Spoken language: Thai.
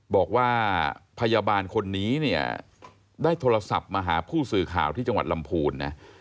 บอกว่าพยาบาลคนนี้เนี่ยได้โทรศัพท์มาหาผู้สื่อข่าวที่จังหวัดลำพูนนะ